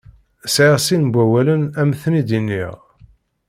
Sεiɣ sin wawalen ad m-ten-id-iniɣ.